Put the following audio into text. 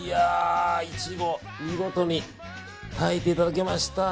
１合、見事に炊いていただけました。